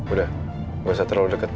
udah gak usah terlalu dekat